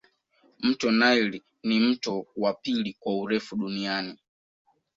mto nile ni mto wa pili kwa urefu duniani